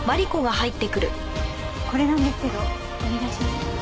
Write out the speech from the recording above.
これなんですけどお願いします。